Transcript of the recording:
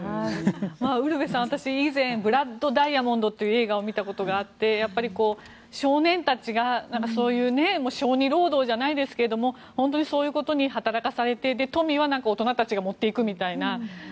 ウルヴェさん私以前「ブラッド・ダイヤモンド」という映画を見たことがあって少年たちがそういう小児労働じゃないですが本当にそういうことに働かされて富は大人たちが持っていくみたいな。